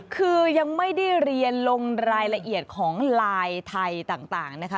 คือยังไม่ได้เรียนลงรายละเอียดของลายไทยต่างนะคะ